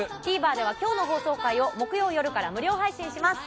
ＴＶｅｒでは今日の放送回を木曜夜から無料配信します。